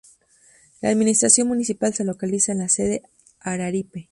La administración municipal se localiza en la sede: Araripe.